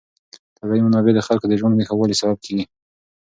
طبیعي منابع د خلکو د ژوند د ښه والي سبب کېږي.